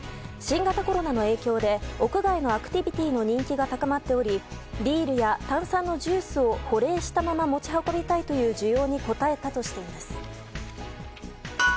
新型コロナの影響で屋外のアクティビティーの人気が高まっておりビールや炭酸のジュースを保冷したまま持ち運びたいという需要に応えたとしています。